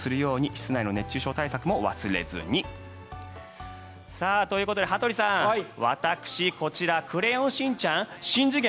室内の熱中症対策も忘れずに。ということで羽鳥さん私、こちらクレヨンしんちゃんしん次元！